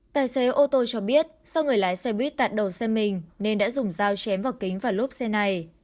tài xế ô tô cho biết do người lái xe buýt tạt đầu xe mình nên đã dùng dao chém vào kính và lốp xe này